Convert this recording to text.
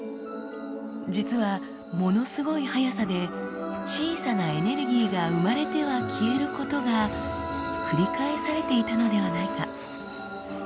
実はものすごい速さで小さなエネルギーが生まれては消えることが繰り返されていたのではないか？